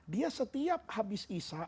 dia setiap habis isha